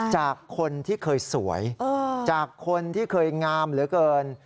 จากคนที่เคยสวยจากคนที่เคยงามเหลือเกิน